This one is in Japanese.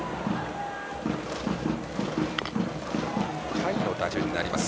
下位の打順になります。